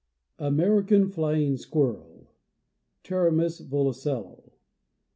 =AMERICAN FLYING SQUIRREL= Pteromys volucella.